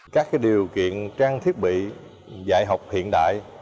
các điều kiện trang thiết bị dạy học hiện đại